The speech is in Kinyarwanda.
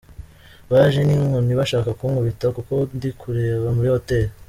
Baje ninkoni bashaka kunkubita kuko ndikureba muri hoteli.